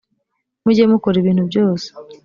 mujye mukora ibintu byose